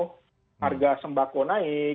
harga sembako naik barang barang kebutuhan pokok naik